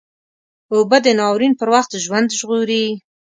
اوبه د ناورین پر وخت ژوند ژغوري